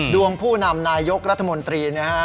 ดวงผู้นำนายกรัฐมนตรี